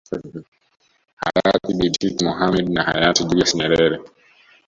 Hayati bibi titi Mohamed na Hayati Julius Nyerere